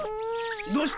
どうした？